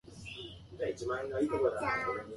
健康診断の結果は出ましたか。